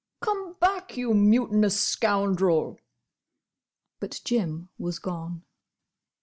"Come back! you mutinous scoundrel!" But Jim was gone.